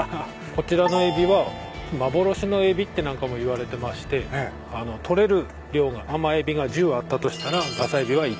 こちらのエビは幻のエビってなんかも言われてまして捕れる量がアマエビが１０あったとしたらガサエビは１。